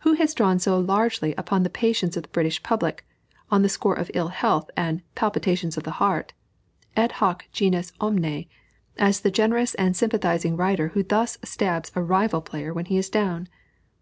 Who has drawn so largely upon the patience of the British public, on the score of ill health and "palpitations of the heart," et hoc genus omne, as the generous and sympathizing writer who thus stabs a rival player when he is down?